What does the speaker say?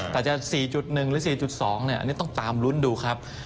แต่จะ๔๑หรือ๔๒อันนี้ต้องตามลุ้นดูครับ